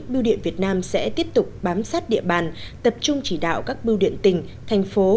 biêu điện việt nam sẽ tiếp tục bám sát địa bàn tập trung chỉ đạo các bưu điện tỉnh thành phố